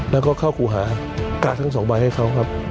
แล้วก็เข้าครูหากะทั้งสองใบให้เขาครับ